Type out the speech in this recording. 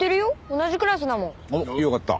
同じクラスだもん。おっよかった。